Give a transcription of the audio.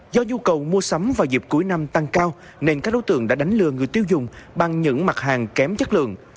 do nhu cầu mua sắm vào dịp cuối năm tăng cao nên các đối tượng đã đánh lừa người tiêu dùng bằng những mặt hàng kém chất lượng